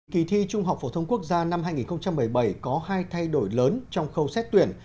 kỳ thi trung học phổ thông quốc gia năm hai nghìn một mươi bảy có hai thay đổi lớn trong khâu xét tuyển